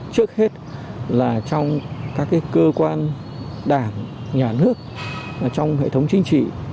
trước hết là trong các cơ quan đảng nhà nước trong hệ thống chính trị